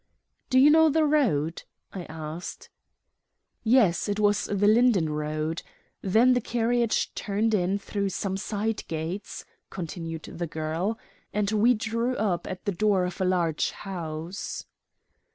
"Do you know the road?" I asked. "Yes, it was the Linden road. Then the carriage turned in through some side gates," continued the girl, "and we drew up at the door of a large house."